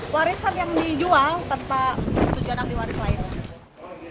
warisan yang dijual tanpa setujuan anak diwaris lain